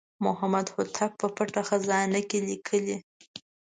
محمد هوتک په پټه خزانه کې لیکلي.